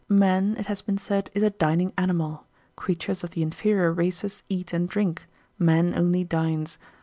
Man, it has been said, is a dining animal. Creatures of the inferior races eat and drink; man only dines.